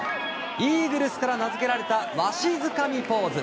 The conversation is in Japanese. イーグルスから名付けられたわしづかみポーズ。